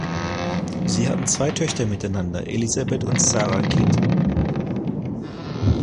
Sie hatten zwei Töchter miteinander: Elizabeth und Sarah Kidd.